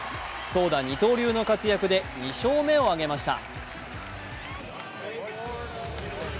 投打二刀流の活躍で２勝目を挙げました。